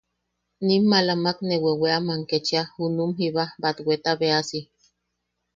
Nim maalamak ne weweaman ketchia junum jiba batwetabeasi.